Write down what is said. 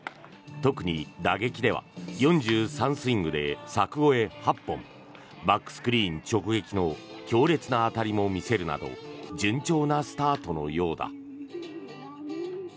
特に打撃では４３スイングで柵越え８本バックスクリーン直撃の強烈な当たりも見せるなど順調なスタートのようだ。